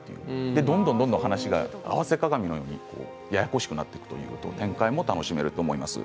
どんどん話が合わせ鏡のようにややこしくなっていくという展開も楽しめると思います。